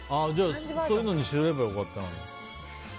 そういうのにすればよかったのに。